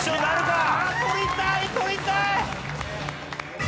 とりたいとりたい！